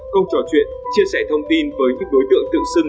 hai công trò chuyện chia sẻ thông tin với những đối tượng tự sưng